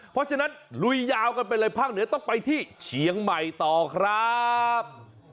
เพราะฉะนั้นลุยยาวกันไปเลยภาคเหนือต้องไปที่เชียงใหม่ต่อครับ